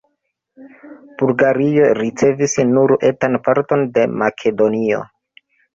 Bulgario ricevis nur etan parton de Makedonio.